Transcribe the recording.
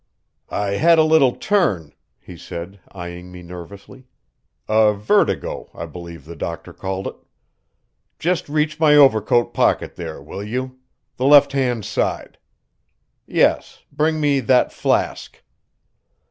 "I had a little turn," he said, eying me nervously; "a vertigo, I believe the doctor called it. Just reach my overcoat pocket there, will you? the left hand side. Yes, bring me that flask."